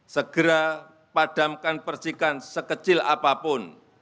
segera padamkan percikan sekecil apapun